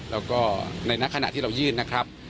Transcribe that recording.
แล้วก็ในขณะที่เรายื่นนะครับ